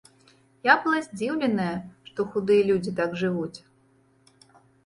Я была здзіўленая, што худыя людзі так жывуць.